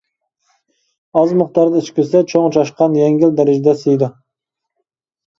ئاز مىقداردا ئىچكۈزسە چوڭ چاشقان يەڭگىل دەرىجىدە سىيىدۇ.